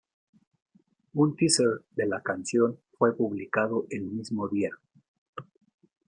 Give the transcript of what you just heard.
Un "teaser" de la canción fue publicado el mismo día.